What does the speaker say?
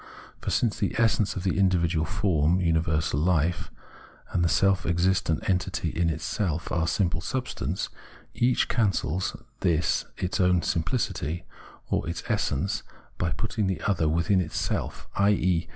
For since the essence of the individual form — universal Hfe — and the self existent entity in itself are simple substance, each cancels this its own simplicity or its essence by putting the other within itself, i.e.